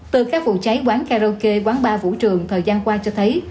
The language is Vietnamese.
từ các vụ cháy quán karaoke quán bar vũ trường thời gian qua cho thấy